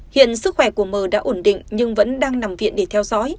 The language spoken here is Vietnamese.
hiện sức khỏe của mờ đã ổn định nhưng vẫn đang nằm viện để theo dõi